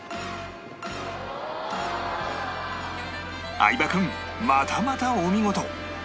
相葉君またまたお見事！